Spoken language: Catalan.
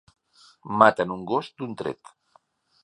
Maten un gos d'un tret